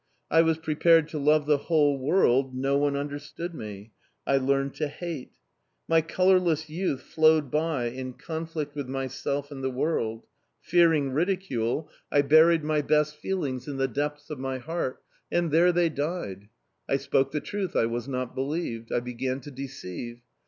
I was prepared to love the whole world no one understood me: I learned to hate. My colourless youth flowed by in conflict with myself and the world; fearing ridicule, I buried my best feelings in the depths of my heart, and there they died. I spoke the truth I was not believed: I began to deceive.